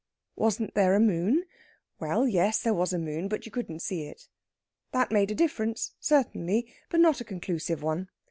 Wasn't there a moon? Well yes, there was a moon, but you couldn't see it. That made a difference, certainly, but not a conclusive one.